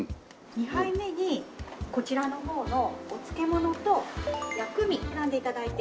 ２杯目にこちらの方のお漬け物と薬味選んで頂いて。